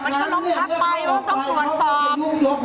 มันก็ล้มทับไปมันต้องตรวจสอบ